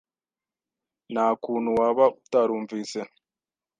Nta kuntu waba utarumvise